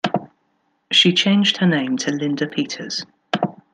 She changed her name to Linda Peters.